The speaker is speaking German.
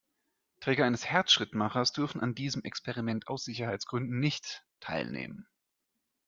Träger eines Herzschrittmachers dürfen an diesem Experiment aus Sicherheitsgründen nicht teilnehmen.